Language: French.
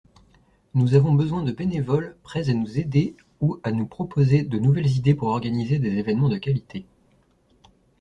Nous avons besoin de bénévoles prêts à nous aider ou à nous proposer de nouvelles idées pour organiser des évènements de qualité.